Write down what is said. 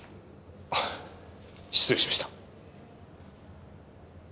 あっ失礼しました！